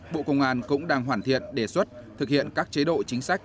bộ công an cũng đang hoàn thiện đề xuất thực hiện các chế độ chính sách